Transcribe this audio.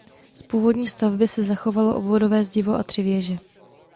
Z původní stavby se zachovalo obvodové zdivo a tři věže.